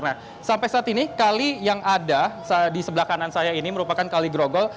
nah sampai saat ini kali yang ada di sebelah kanan saya ini merupakan kali grogol